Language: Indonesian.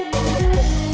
tete aku mau